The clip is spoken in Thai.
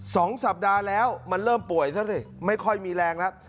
สองสัปดาห์แล้วมันเริ่มป่วยซะสิไม่ค่อยมีแรงแล้ว